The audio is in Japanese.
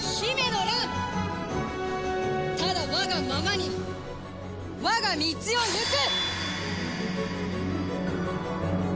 ただ我がままに我が道をゆく！